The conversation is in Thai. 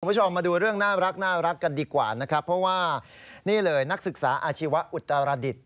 คุณผู้ชมมาดูเรื่องน่ารักกันดีกว่านะครับเพราะว่านี่เลยนักศึกษาอาชีวะอุตรดิษฐ